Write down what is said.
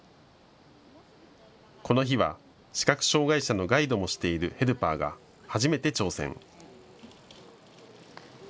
この日は視覚障害者のガイドもしているヘルパーが初めて挑戦。